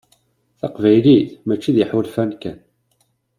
Taqbaylit mačči d iḥulfan kan.